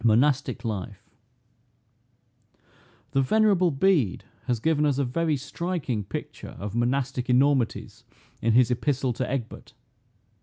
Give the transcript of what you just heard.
MONASTIC LIFE. The venerable Bede has given us a very striking picture of Monastic enormities, in his epistle to Egbert.